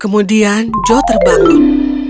kemudian joe terbangun